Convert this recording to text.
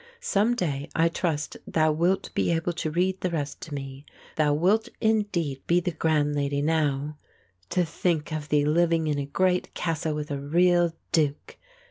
Someday I trust thou wilt be able to read the rest to me. Thou wilt indeed be the grand lady now; to think of thee living in a great castle with a real Duke!